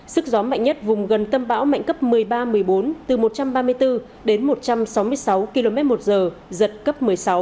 sức gió mạnh nhất vùng gần tâm bão mạnh cấp một mươi ba một mươi bốn từ một trăm ba mươi bốn đến một trăm sáu mươi sáu km một giờ giật cấp một mươi sáu